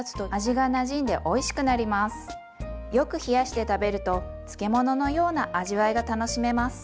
よく冷やして食べると漬物のような味わいが楽しめます。